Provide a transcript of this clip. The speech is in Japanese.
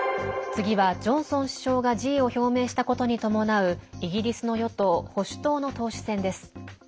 次はジョンソン首相が辞意を表明したことに伴うイギリスの与党・保守党の党首選です。